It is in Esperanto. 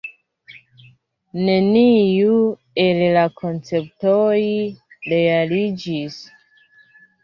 Neniu el la konceptoj realiĝis.